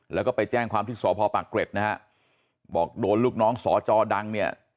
แล้วก็ไปแจ้งความที่สพปากเกร็ดนะฮะบอกโดนลูกน้องสอจอดังเนี่ย